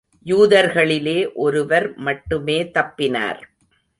யூதர்களிலே ஒருவர் மட்டுமே தப்பினார்.